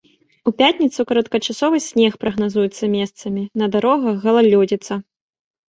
У пятніцу кароткачасовы снег прагназуецца месцамі, на дарогах галалёдзіца.